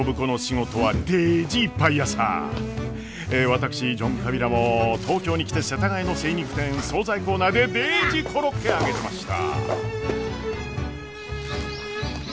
私ジョン・カビラも東京に来て世田谷の精肉店総菜コーナーでデージコロッケ揚げてました。